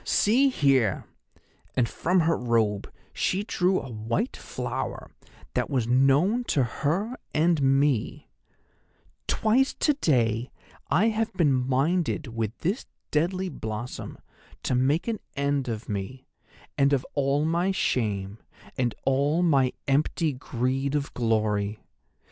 See here,'—and from her robe she drew a white flower that was known to her and me—'twice to day have I been minded with this deadly blossom to make an end of me, and of all my shame, and all my empty greed of glory.